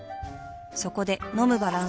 そこで飲むバランス栄養食